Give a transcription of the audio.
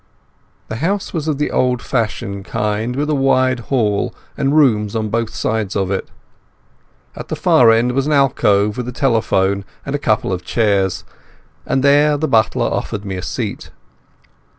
The house was of the old fashioned kind, with a wide hall and rooms on both sides of it. At the far end was an alcove with a telephone and a couple of chairs, and there the butler offered me a seat.